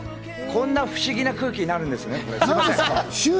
こんな不思議な空気になるんですね。